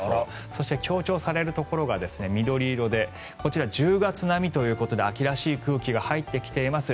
そして強調されるところが緑色でこちら、１０月並みということで秋らしい空気が入ってきています。